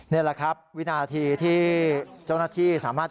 นี่แหละครับวินาทีที่เจ้าหน้าที่สามารถ